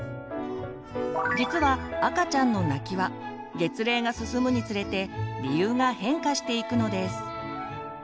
実は赤ちゃんの泣きは月齢が進むにつれて理由が変化していくのです。